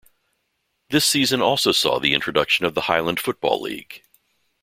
This season also saw the introduction of the Highland Football League.